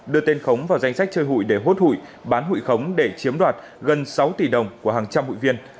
đưa tên khống vào danh sách chơi hụi để hốt hụi bán hụi khống để chiếm đoạt gần sáu tỷ đồng của hàng trăm hụi viên